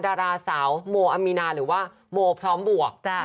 ดาราสาวโมอามีนาหรือว่าโมพร้อมบวก